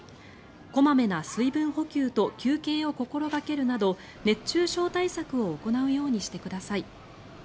小まめな水分補給と休憩を心掛けるなど熱中症対策を行うようにしてください。